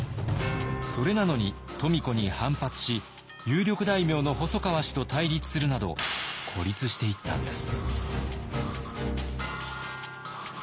それなのに富子に反発し有力大名の細川氏と対立するなど孤立していったんです。